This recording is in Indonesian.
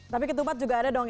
tapi ketupat juga ada dong ya